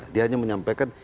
dia hanya menyampaikan